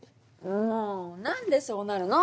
もう何でそうなるの？